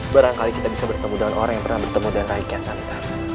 barangkali kita bisa bertemu dengan orang yang pernah bertemu dengan rai ikiat santang